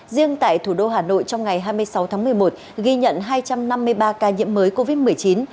riêng tại thủ đô hà nội trong ngày hai mươi sáu tháng một mươi một ghi nhận hai trăm năm mươi ba ca nhiễm mới covid một mươi chín